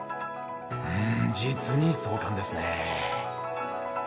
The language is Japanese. うん実に壮観ですね。